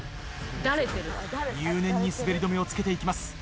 入念に滑り止めを付けて行きます。